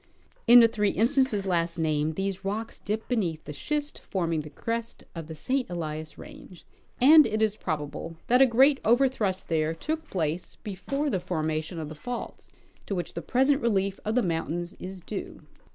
In the three instances last named these rocks dip beneath the schist forming the crest of the St. Elias range, and it is probable that a great overthrust there took place before the formation of the faults to Avhich the present relief of the mountains is due.